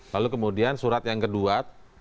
lalu kemudian surat yang kedua